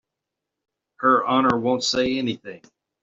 Her Honor won't say anything.